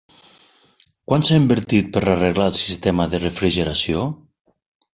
Quan s'ha invertit per arreglar el sistema de refrigeració?